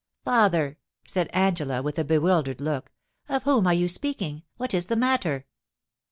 * Father !' said Angela, with a bewildered look, * of whom are you speaking ? What is the matter